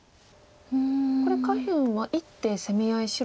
これ下辺は１手攻め合い白が。